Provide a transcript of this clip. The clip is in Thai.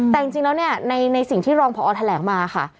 แต่จริงแล้วเนี่ยในสิ่งที่รองพอแถลงมาค่ะ